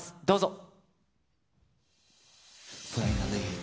どうぞ。